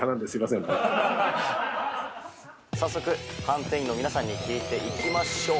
早速判定員の皆さんに聞いていきましょう。